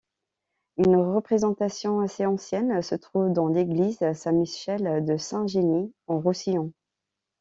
Une représentation assez ancienne se trouve dans l'église Saint-Michel de Saint-Genis en Roussillon.